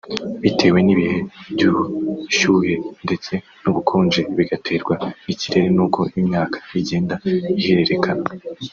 bitewe n’ibihe by’ubushyuhe ndetse n’ubukonje bigaterwa n’ikirere n’uko imyaka igenda ihererekana